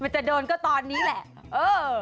จะโดนก็ตอนนี้แหละ